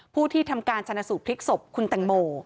ผู้ที่ทำการชนะสูตรพลิกศพคุณแตงโม